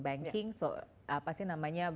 jadi apa sih namanya